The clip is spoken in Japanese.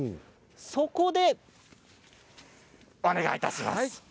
そこで、お願いいたします。